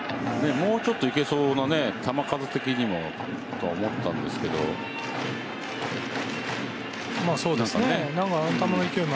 もうちょっといけそうな球数的にもとは思ったんですけどまあそうですね。